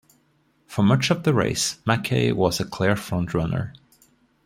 For much of the race, MacKay was the clear front-runner.